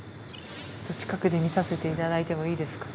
近くで見させて頂いてもいいですか？